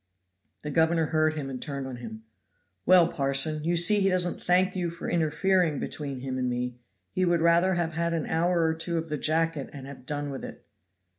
The governor heard him and turned on him: "Well, parson, you see he doesn't thank you for interfering between him and me. He would rather have had an hour or two of the jacket and have done with it."